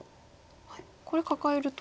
これカカえると。